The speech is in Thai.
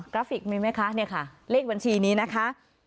ราฟิกมีไหมคะเนี่ยค่ะเลขบัญชีนี้นะคะ